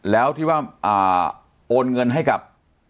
แล้วที่ว่าโอนเงินให้กับ